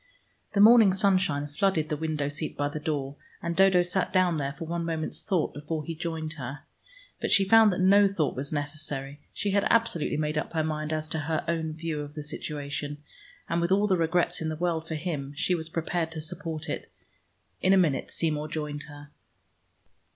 The morning sunshine flooded the window seat by the door, and Dodo sat down there for one moment's thought before he joined her. But she found that no thought was necessary. She had absolutely made up her mind as to her own view of the situation, and with all the regrets in the world for him, she was prepared to support it. In a minute Seymour joined her.